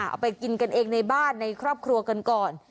เอาไปกินกันเองในบ้านในครอบครัวกันก่อน